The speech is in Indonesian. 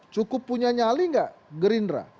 cukup punya nyali nggak gerindra